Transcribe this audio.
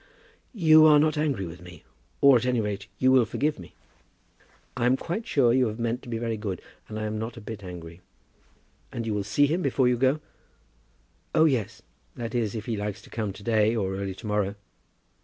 "You are not angry with me; or at any rate you will forgive me?" "I'm quite sure you have meant to be very good, and I am not a bit angry." "And you will see him before you go?" "Oh, yes; that is if he likes to come to day, or early to morrow.